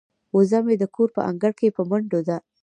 وزه مې د کور په انګړ کې په منډو ده.